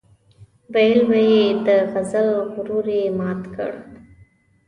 ويل به يې د غزل غرور یې مات کړ.